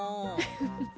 ウフフフ。